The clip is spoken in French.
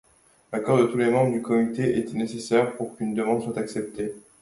L'accord de tous les membres du comité était nécessaire pour qu'une demande soit acceptée.